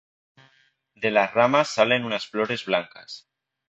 De las ramas salen unas flores blancas.